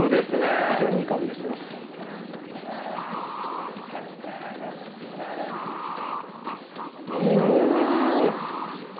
非常にいい香りがしてますうん！